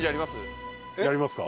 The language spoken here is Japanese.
やりますか？